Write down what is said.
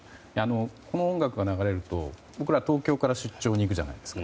この音楽が流れると僕ら東京から出張に行くじゃないですか。